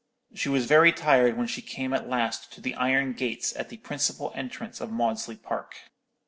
She was very tired when she came at last to the iron gates at the principal entrance of Maudesley Park.